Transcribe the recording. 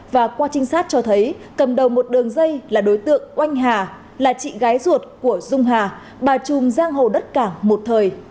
và qua trinh sát cho thấy cầm đầu một đường dây là đối tượng oanh hà là chị gái ruột của dung hà bà trùm giang hồ đất cảng một thời